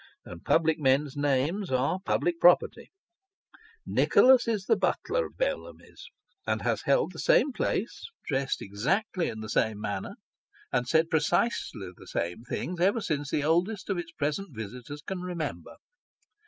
and public men's names are public property) Nicholas is the butler of Bellamy's, and has held the same place, dressed exactly in the same manner, and said precisely the same things, ever since the oldest of its present visitors can remember.